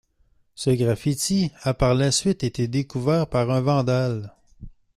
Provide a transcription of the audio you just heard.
Ce graffiti a par la suite été découvert par un vandale.